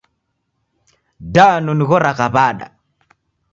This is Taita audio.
Danu nighoragha wada?